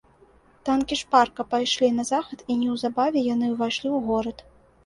Танкі шпарка пайшлі на захад, і неўзабаве яны ўвайшлі ў горад.